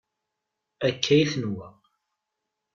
Akka i tenwa.